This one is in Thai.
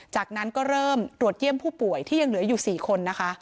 จากนั้นก็เริ่มตรวจเยี่ยมผู้ป่วยที่ยังเหลืออยู่๔คนนะคะ